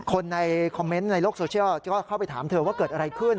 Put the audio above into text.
คนในคอมเมนต์ในโลกโซเชียลก็เข้าไปถามเธอว่าเกิดอะไรขึ้น